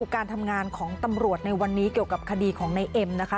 การทำงานของตำรวจในวันนี้เกี่ยวกับคดีของในเอ็มนะคะ